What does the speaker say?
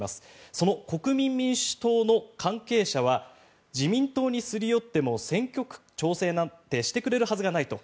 その国民民主党の関係者は自民党にすり寄っても選挙区調整なんてしてくれるはずがないと。